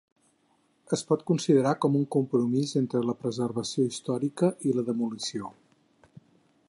Es pot considerar com un compromís entre la preservació històrica i la demolició.